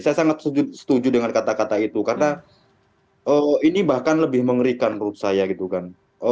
saya sangat setuju dengan kata kata itu karena ini bahkan lebih mengerikan menurut saya gitu kan